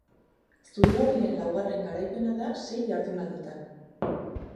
Zurigorrien laugarren garaipena da sei jardunalditan.